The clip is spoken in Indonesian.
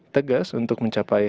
tegas untuk mencapai